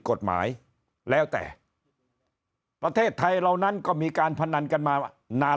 กฎหมายแล้วแต่ประเทศไทยเหล่านั้นก็มีการพนันกันมานาน